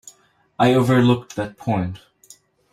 I overlooked that point.